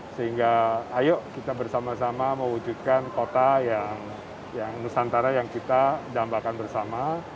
sehingga ayo kita bersama sama mewujudkan kota yang nusantara yang kita dambakan bersama